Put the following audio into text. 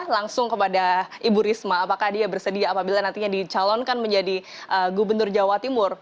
langsung kepada ibu risma apakah dia bersedia apabila nantinya dicalonkan menjadi gubernur jawa timur